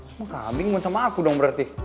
sama kambing mau sama aku dong berarti